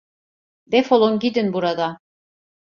Defolun gidin buradan!